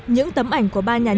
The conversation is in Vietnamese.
những tấm ảnh của ba nhà nhân dân